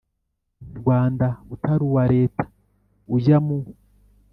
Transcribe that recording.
nyarwanda utari uwa Leta ujya mu